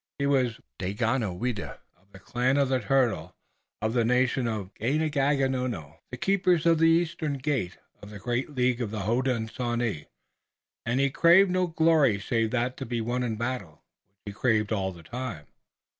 He was Daganoweda of the Clan of the Turtle, of the Nation Ganeagaono, the Keepers of the Eastern Gate, of the great League of the Hodenosaunee, and he craved no glory save that to be won in battle, which he craved all the time.